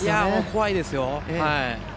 怖いですよ。